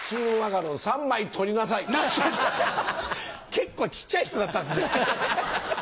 結構小っちゃい人だったんすね。